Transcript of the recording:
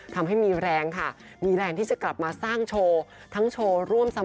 ทำให้มีแรงค่ะมีแรงที่จะกลับมาสร้างโชว์